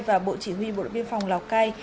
và bộ chỉ huy bộ đội biên phòng lào cai